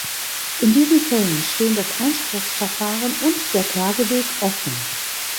In diesen Fällen stehen das Einspruchsverfahren und der Klageweg offen.